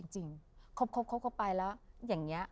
จริงครบไปแล้วอย่างนี้